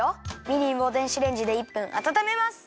みりんを電子レンジで１分あたためます。